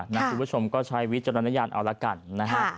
คุณผู้ชมก็ใช้วิจารณญาณเอาละกันนะฮะ